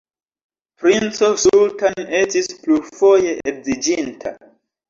Princo Sultan estis plurfoje edziĝinta.